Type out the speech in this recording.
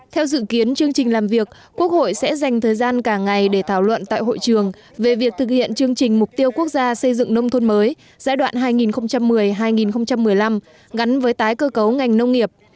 theo dự kiến chương trình làm việc quốc hội sẽ dành thời gian cả ngày để thảo luận tại hội trường về việc thực hiện chương trình mục tiêu quốc gia xây dựng nông thôn mới giai đoạn hai nghìn một mươi hai nghìn một mươi năm gắn với tái cơ cấu ngành nông nghiệp